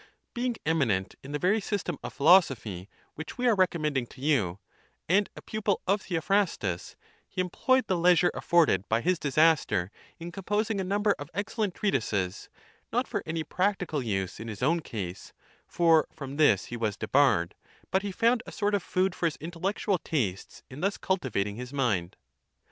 Being eminent in the very system of philosophy which we are recommend ing to you, and a pupil of Theophrastus, he employed the leisure afforded by his disaster in composing a number of e>:cellent treatises, not for any practical use in his own case, for from this he was debarred; but he found a sort of food for his intellectual tastes in thus cultivating his mind.